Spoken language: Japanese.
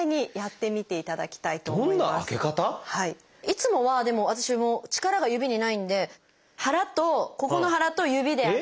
いつもはでも私も力が指にないんで腹とここの腹と指で開けるのはどうでしょう？